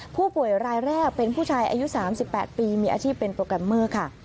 ผู้ป่วยรายแรกเป็นผู้ชายอายุ๓๘ปีมีอาชีพเป็นโปรแกรมเมอร์ค่ะ